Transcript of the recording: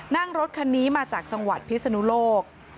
นั่งรถคันนี้มาจากจังหวัดพิศนุโลก